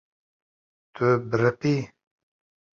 Tu biriqî.